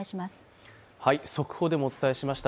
速報でもお伝えしました。